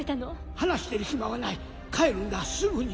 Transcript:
話してる暇はない帰るんだすぐに！